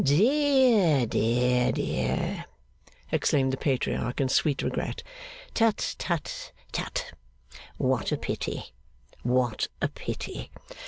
'Dear, dear, dear!' exclaimed the Patriarch in sweet regret. 'Tut, tut, tut! what a pity, what a pity!